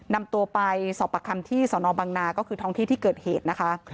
นำตัวไปสอบประคำที่สนบังนาก็คือท้องที่ที่เกิดเหตุนะคะ